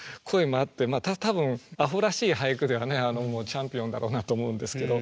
多分アホらしい俳句ではもうチャンピオンだろうなと思うんですけど。